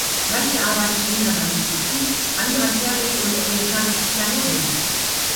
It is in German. Manche Arbeiten erinnern an Ägypten, andere an persische und orientalische Kleinodien.